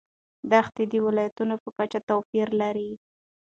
دښتې د ولایاتو په کچه توپیر لري.